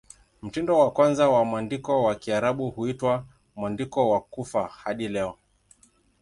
Mtindo wa kwanza wa mwandiko wa Kiarabu huitwa "Mwandiko wa Kufa" hadi leo.